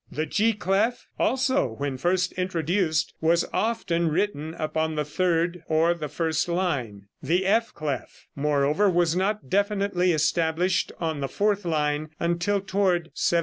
The G clef, also, when first introduced, was often written upon the third or the first line; the F clef, moreover, was not definitely established on the fourth line until toward 1700.